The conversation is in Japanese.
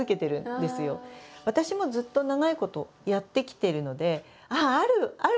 私もずっと長いことやってきてるのでああある！